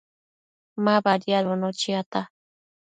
Ma badiadbono chiata